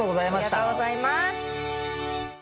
ありがとうございます。